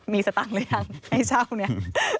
มีสตังค์หรือยังให้เช่าเนี่ย